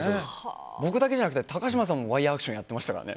僕だけじゃなくて高嶋さんもワイヤアクションやってましたからね。